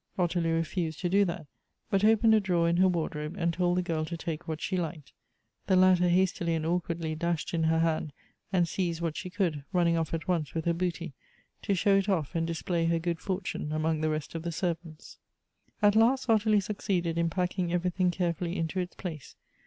Ottilie refused to do that, but opened a dr.awer in her wardi obe, and told the girl to take what she liked. The latter hastily and awkwardly dashed in her hand and seized what she could, running off at once with her booty, to show it off and display her good fortune among the rest of the servants. At last Ottilie succeeded in packing everything care fully into its place.